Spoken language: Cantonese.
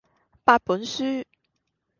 八本書